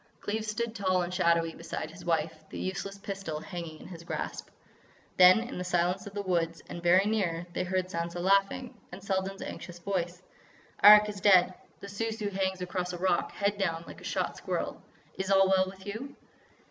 Cleves stood tall and shadowy beside his wife, the useless pistol hanging in his grasp. Then, in the silence of the woods, and very near, they heard Sansa laughing. And Selden's anxious voice: "Arrak is dead. The Sou Sou hangs across a rock, head down, like a shot squirrel. Is all well with you?"